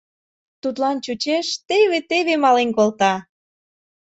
Тудлан чучеш - теве-теве мален колта.